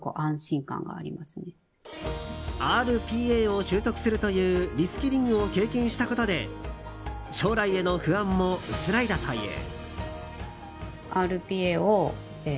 ＲＰＡを習得するというリスキリングを経験したことで将来への不安も薄らいだという。